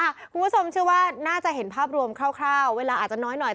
คุณผู้ชมเชื่อว่าน่าจะเห็นภาพรวมคร่าวเวลาอาจจะน้อยหน่อย